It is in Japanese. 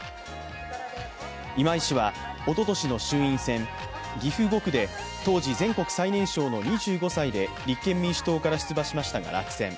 今井氏は、おととしの衆院選・岐阜５区で当時、全国最年少の２５歳で立憲民主党から出馬しましたが落選。